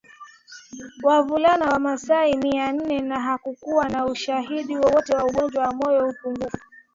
wavulana Wamasai mia nne na hakukuwa na ushahidi wowote wa ugonjwa wa moyo upungufu